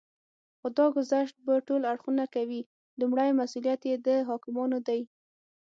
خو دا ګذشت به ټول اړخونه کوي. لومړی مسئوليت یې د حاکمانو دی